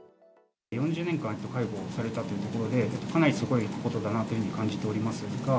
４０年間介護されたということで、かなりすごいことだなというふうに感じております。